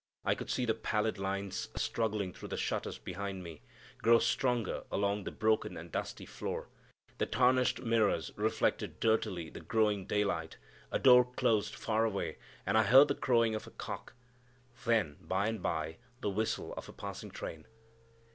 I could see the pallid lines struggling through the shutters behind me, grow stronger along the broken and dusty floor. The tarnished mirrors reflected dirtily the growing daylight; a door closed, far away, and I heard the crowing of a cock; then by and by the whistle of a passing train.